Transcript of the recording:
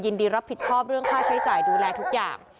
ยินดีรับผิดชอบเรื่องค่าใช้จ่ายดูแลทุกอย่าง